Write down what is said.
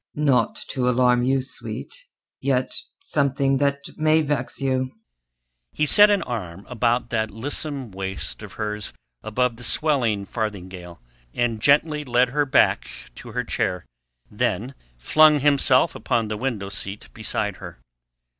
"Naught to alarm you, sweet; yet something that may vex you." He set an arm about that lissom waist of hers above the swelling farthingale, and gently led her back to her chair, then flung himself upon the window seat beside her.